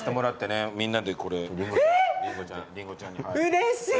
うれしい！